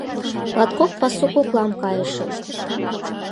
Латкок пасу коклам кайышым.